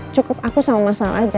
cukup aku sama masal aja